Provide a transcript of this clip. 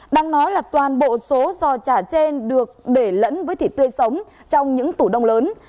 đang nói là toàn bộ số giò chả trên được để lẫn với thịt tươi sống trong những tủ đông lớn